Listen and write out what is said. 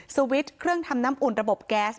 สวิตช์เครื่องทำน้ำอุ่นระบบแก๊ส